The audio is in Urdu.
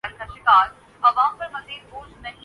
جہاں جمہوریت نافذ ہے۔